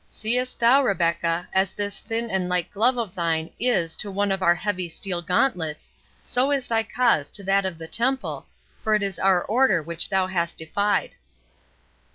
—Seest thou, Rebecca, as this thin and light glove of thine is to one of our heavy steel gauntlets, so is thy cause to that of the Temple, for it is our Order which thou hast defied."